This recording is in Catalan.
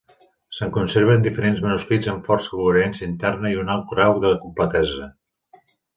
Se'n conserven diferents manuscrits amb força coherència interna i un alt grau de completesa.